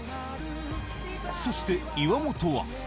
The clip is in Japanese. そして、岩本は。